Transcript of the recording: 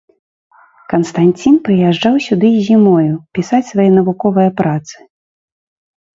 Канстанцін прыязджаў сюды і зімою, пісаць свае навуковыя працы.